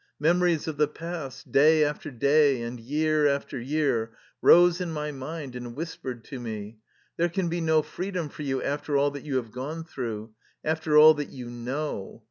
Memories of the past, day after day and year after year, rose in my mind and whispered to me :" There can be no freedom for you after all that you have gone through, after all that you know.